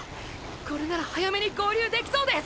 これなら早めに合流できそうです！！